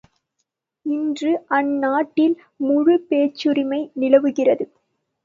இன்று அந்நாட்டில் முழுப் பேச்சுரிமை நிலவுகிறது.